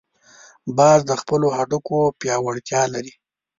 باز د خپلو هډوکو پیاوړتیا لري